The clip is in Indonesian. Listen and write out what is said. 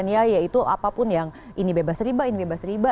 ya yaitu apapun yang ini bebas riba ini bebas riba